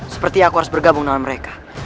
seperti aku harus bergabung dengan mereka